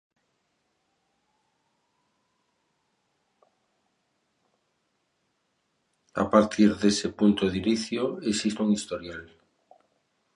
A partir dese punto de inicio, existe un historial.